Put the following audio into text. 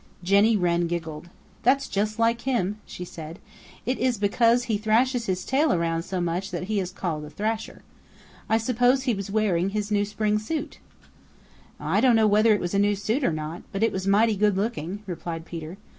Jenny Wren giggled. "That's just like him," said she. "It is because he thrashes his tail around so much that he is called a Thrasher. I suppose he was wearing his new spring suit." "I don't know whether it was a new suit or not, but it was mighty good looking," replied Peter.